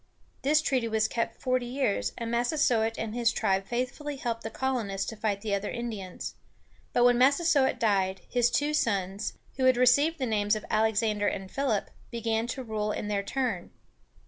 This treaty was kept forty years, and Massasoit and his tribe faithfully helped the colonists to fight the other Indians. But when Massasoit died, his two sons, who had received the names of Alexander and Philip, began to rule in their turn.